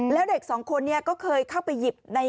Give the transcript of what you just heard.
แล้วเด็กสองคนนี้ก็เคยเข้าไปหยิบใน